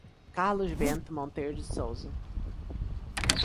Carlos Bento Monteiro de Souza